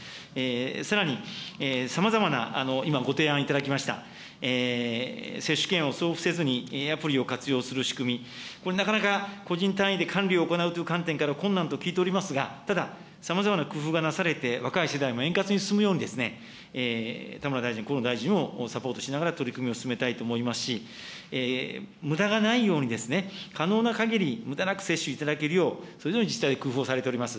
さらに、さまざまな、今、ご提案頂きました、接種券を送付せずにアプリを活用する仕組み、これ、なかなか個人単位で管理を行うという観点から困難と聞いておりますが、たださまざまな工夫がなされて、若い世代にも円滑に進むように、田村大臣、河野大臣をサポートしながら取り組みを進めたいと思いますし、むだがないように、可能なかぎり、むだなく接種いただけるよう、それぞれの自治体工夫をされております。